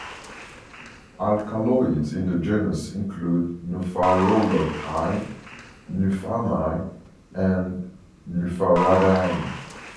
Alkaloids in the genus include nupharolutine, nuphamine and nupharidine.